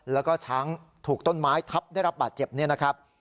แล้วก็ช้างถูกต้นไม้ทับได้รับบาดเจ็บเนี่ยนะครับ